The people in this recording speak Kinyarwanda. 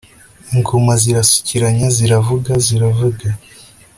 ingoma zirasukiranya ziravuga, ziravuga